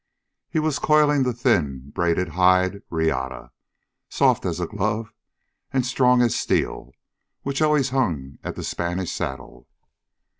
He was coiling the thin, braided hide reata, soft as a glove and strong as steel, which always hung at the Spanish saddle.